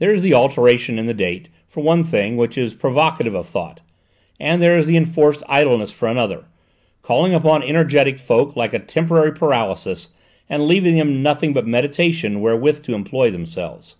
There is the alteration in the date, for one thing, which is provocative of thought, and there is the enforced idleness for another, coming upon energetic folk like a temporary paralysis and leaving them nothing but meditation wherewith to employ themselves.